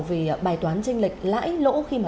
về bài toán tranh lệch lãi lỗ khi mà